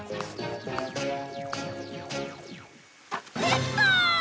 できた！